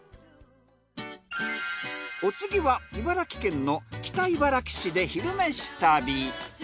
お次は茨城県の北茨城市で「昼めし旅」。